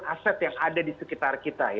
aset yang ada di sekitar kita